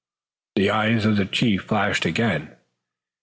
The eyes of the chief flashed again.